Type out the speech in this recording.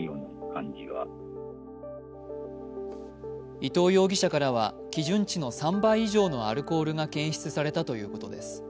伊東容疑者からは基準値の３倍以上のアルコールが検出されたということです。